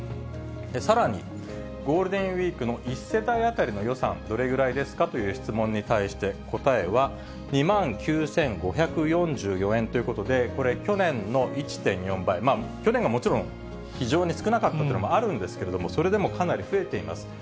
さらにゴールデンウィークの１世帯当たりの予算、どれぐらいですかという質問に対して、答えは２万９５４４円ということで、これ、去年の１．４倍、去年がもちろん、非常に少なかったというのもあるんですけれども、それでもかなり増えています。